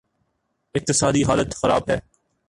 اقتصادی حالت خراب ہے۔